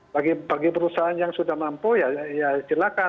bagi perusahaan yang sudah mampu ya silakan